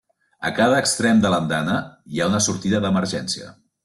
A cada extrem de l'andana hi ha una sortida d'emergència.